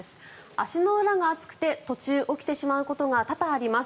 足の裏が暑くて途中起きてしまうことが多々あります。